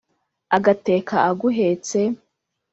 agateka aguhetse,